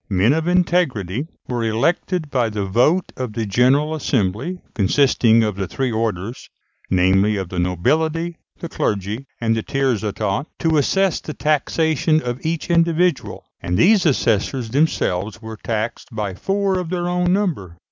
Men of integrity were elected by the vote of the General Assembly, consisting of the three orders namely, of the nobility, the clergy, and the tiers état to assess the taxation of each individual; and these assessors themselves were taxed by four of their own number.